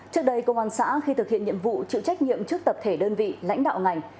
trước đây công an xã khi thực hiện nhiệm vụ chịu trách nhiệm trước tập thể đơn vị lãnh đạo ngành